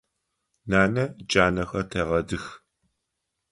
Нанэ джанэхэр тегъэдых.